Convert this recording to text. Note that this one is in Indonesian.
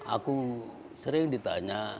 aku sering ditanya